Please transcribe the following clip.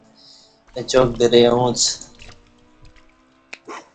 اچاک درئ اڅ۔